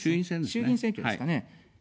衆議院選挙ですかね。